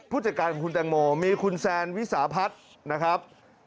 ผู้จัดการของคุณแตงโมมีคุณแซนวิสาพัฒน์นะครับ